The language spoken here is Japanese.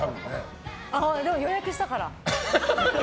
でも予約したから。